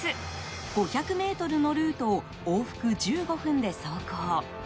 ５００ｍのルートを往復１５分で走行。